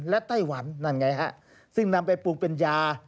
และไต้หวันนั่นไงฮะซึ่งนำไปปรุงเป็นยา